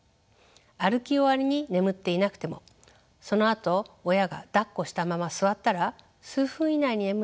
歩き終わりに眠っていなくてもそのあと親がだっこしたまま座ったら数分以内に眠った赤ちゃんもいました。